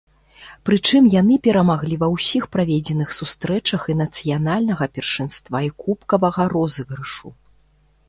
Прычым яны перамаглі ва ўсіх праведзеных сустрэчах і нацыянальнага першынства, і кубкавага розыгрышу.